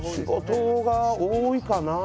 仕事が多いかな。